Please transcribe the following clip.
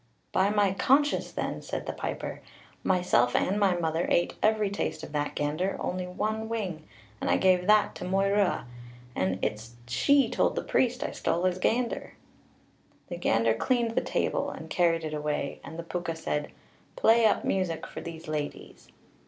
"By my conscience, then," says the piper, "myself and my mother ate every taste of that gander, only one wing, and I gave that to Moy rua (Red Mary), and it's she told the priest I stole his gander." The gander cleaned the table, and carried it away, and the Púca said, "Play up music for these ladies."